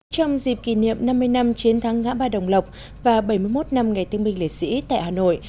trong dịp kỷ niệm năm mươi năm chiến thắng ngã ba đồng lộc và bảy mươi một năm ngày thương binh lễ sĩ tại hà nội